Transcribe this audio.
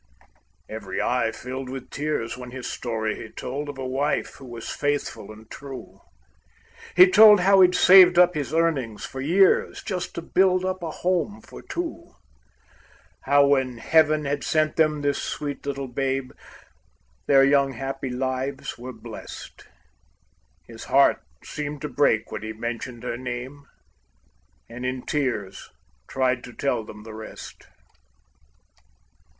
Every eye filled with tears when his story he told Of a wife who was faithful and true; He told how he'd saved up his earnings for years, Just to build up a home for two; How when Heaven had sent them this sweet little babe, Their young happy lives were blessed; His heart seemed to break when he mentioned her name, And in tears tried to tell them the rest.